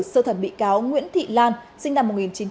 sơ thẩn bị cáo nguyễn thị lan sinh năm một nghìn chín trăm sáu mươi ba